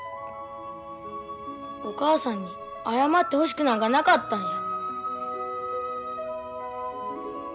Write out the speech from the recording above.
お母さんに謝ってほしくなんかなかったんや。